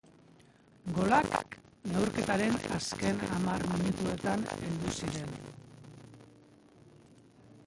Golak neurketaren azken hamar minutuetan heldu ziren.